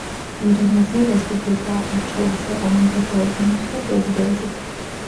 ინდონეზია რესპუბლიკაა, არჩეული საკანონმდებლო ორგანოთი და პრეზიდენტით.